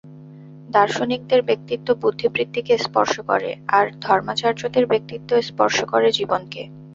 দার্শনিকদের ব্যক্তিত্ব বুদ্ধিবৃত্তিকে স্পর্শ করে, আর ধর্মাচার্যদের ব্যক্তিত্ব স্পর্শ করে জীবনকে।